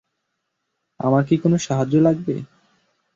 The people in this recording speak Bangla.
আমার কী কোনও সাহায্য লাগবে?